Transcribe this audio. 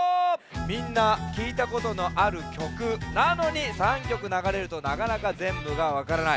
みんなきいたことのあるきょくなのに３きょくながれるとなかなかぜんぶがわからない。